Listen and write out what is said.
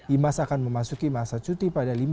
imas akan memasuki masa cuti